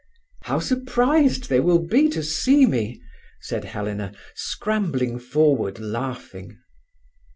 "How surprised they will be to see me!" said Helena, scrambling forward, laughing.